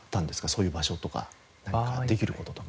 そういう場所とかなんかできる事とか。